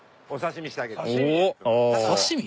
刺身？